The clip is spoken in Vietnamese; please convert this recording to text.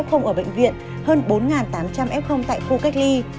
hơn bốn bảy trăm linh f ở bệnh viện hơn bốn tám trăm linh f tại khu cách ly